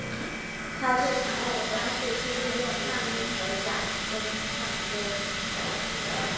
他最常用的方式是运用颤音和假声唱歌。